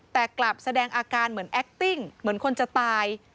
แต่กลับแสดงอาการเหมือนแอคติ้งเหมือนคนจะตาย